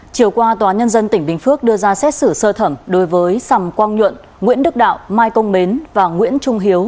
chiều qua tòa nhân dân tỉnh bình phước đưa ra xét xử sơ thẩm đối với sầm quang nhuận nguyễn đức đạo mai công mến và nguyễn trung hiếu